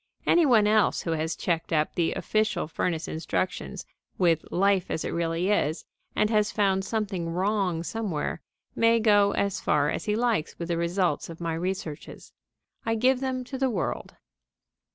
Any one else who has checked up the official furnace instructions with Life as it really is and has found something wrong somewhere may go as far as he likes with the results of my researches. I give them to the world.